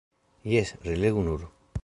Jes, relegu nur!